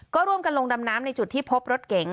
ก็ร่วมกันลงดำน้ำในจุดที่พบรถเก๋ง